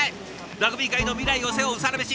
ラグビー界の未来を背負うサラメシ